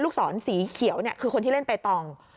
ลูกศรสีเขียวคือคนที่เล่นเปตอง